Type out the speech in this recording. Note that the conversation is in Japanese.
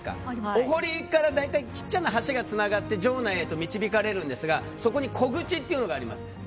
お堀から小さな橋がつながって城内へと導かれるんですがそこに小口というのがあります。